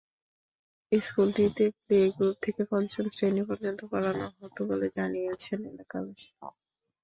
স্কুলটিতে play group থেকে পঞ্চম শ্রেণি পর্যন্ত পড়ানো হতো বলে জানিয়েছেন এলাকাবাসী।